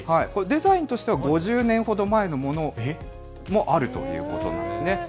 デザインとしては５０年ほど前のものもあるということなんですね。